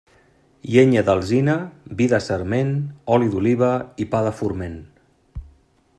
Llenya d'alzina, vi de sarment, oli d'oliva i pa de forment.